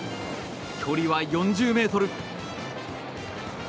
距離は４０ｍ。